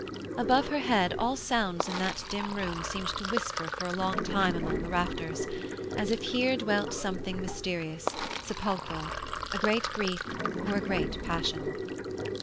Above her head all sounds in that dim room seemed to whisper for a long time among the rafters as if here dwelt something mysterious, sepulchral, a great grief or a great passion.